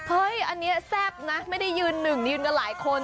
อันนี้แซ่บนะไม่ได้ยืนหนึ่งยืนกันหลายคน